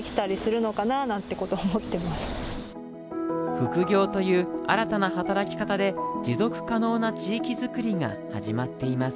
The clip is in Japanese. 複業という新たな働き方で持続可能な地域づくりが始まっています